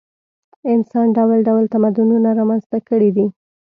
انسان ډول ډول تمدنونه رامنځته کړي دي.